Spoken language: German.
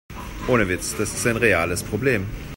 Ohne Witz, das ist ein reales Problem.